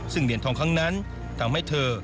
ซึ่งเหรียญทองครั้งนั้นทำให้เธอ